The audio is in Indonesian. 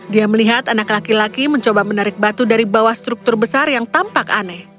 dia melihat anak laki laki mencoba menarik batu dari bawah struktur besar yang tampak aneh